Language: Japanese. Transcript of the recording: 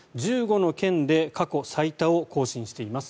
１５の県で過去最多を更新しています。